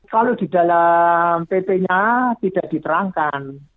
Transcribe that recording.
kalau di dalam pp nya tidak diterangkan